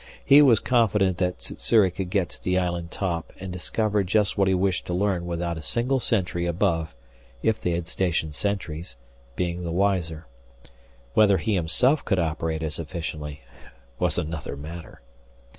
He was confident that Sssuri could get to the island top and discover just what he wished to learn without a single sentry above, if they had stationed sentries, being the wiser. Whether he himself could operate as efficiently was another matter.